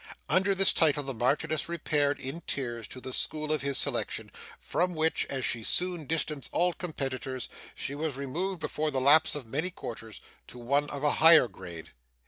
Under this title the Marchioness repaired, in tears, to the school of his selection, from which, as she soon distanced all competitors, she was removed before the lapse of many quarters to one of a higher grade.